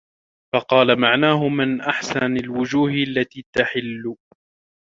فَقَالَ مَعْنَاهُ مِنْ أَحْسَنِ الْوُجُوهِ الَّتِي تَحِلُّ